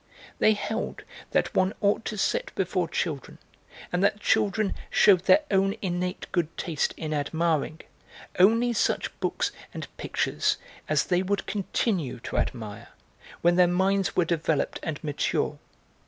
They held that one ought to set before children, and that children shewed their own innate good taste in admiring, only such books and pictures as they would continue to admire when their minds were developed and mature.